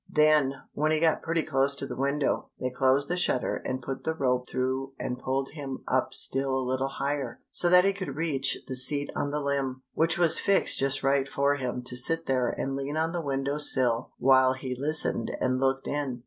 Then, when he got pretty close to the window, they closed the shutter and put the rope through and pulled him up still a little higher, so that he could reach the seat on the limb, which was fixed just right for him to sit there and lean on the window sill while he listened and looked in.